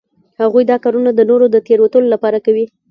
هغوی دا کارونه د نورو د تیروتلو لپاره کوي